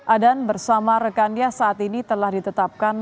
adan bersama rekannya saat ini telah ditetapkan